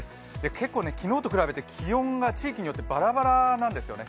結構、昨日と比べて気温が地域によってバラバラなんですよね。